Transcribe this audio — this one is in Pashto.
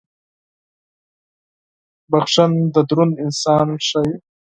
• بخښن دروند انسان ښيي.